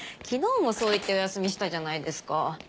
昨日もそう言ってお休みしたじゃないですか。